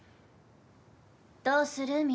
どうする？